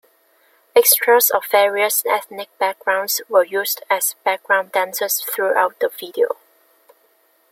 Extras of various ethnic backgrounds were used as background dancers throughout the video.